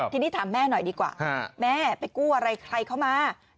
ทีนี้ถามแม่หน่อยดีกว่าแม่ไปกู้อะไรใครเข้ามา